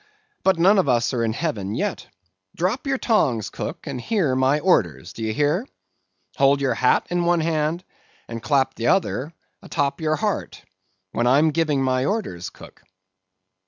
But none of us are in heaven yet. Drop your tongs, cook, and hear my orders. Do ye hear? Hold your hat in one hand, and clap t'other a'top of your heart, when I'm giving my orders, cook.